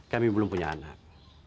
kami belum punya anak